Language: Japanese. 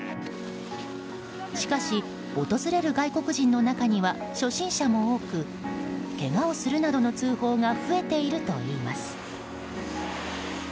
しかし、訪れる外国人の中には初心者も多くけがをするなどの通報が増えているといいます。